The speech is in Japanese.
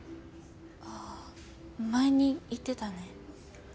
ああ前に言ってたね。